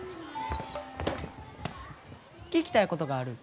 聞きたいことがある。